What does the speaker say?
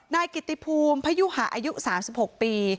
นายกิติภูมิพยุหาอายุ๓๖ปี